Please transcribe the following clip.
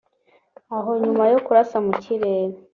aho nyuma yo kurasa mu kirere